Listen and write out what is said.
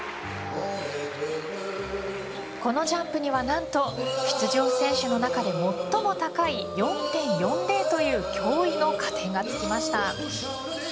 このジャンプには何と出場選手の中で最も高い４．４０という驚異の加点がつきました。